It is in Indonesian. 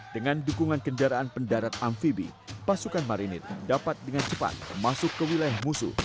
dengan dukungan kendaraan pendarat amfibi pasukan marinir dapat dengan cepat masuk ke wilayah musuh